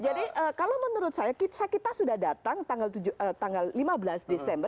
jadi kalau menurut saya kita sudah datang tanggal lima belas desember